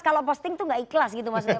kalau posting itu tidak ikhlas